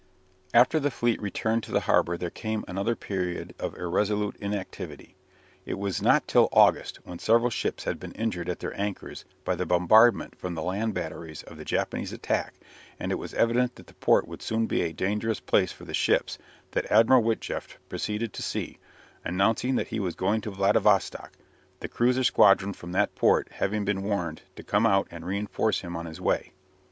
After the fleet returned to the harbour there came another period of irresolute inactivity. It was not till August, when several ships had been injured at their anchors by the bombardment from the land batteries of the Japanese attack, and it was evident that the port would soon be a dangerous place for the ships, that Admiral Witjeft proceeded to sea, announcing that he was going to Vladivostock, the cruiser squadron from that port having been warned to come out and reinforce him on his way.